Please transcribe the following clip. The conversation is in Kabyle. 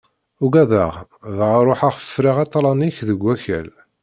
Ugadeɣ, dɣa ṛuḥeɣ ffreɣ aṭalan-ik deg wakal.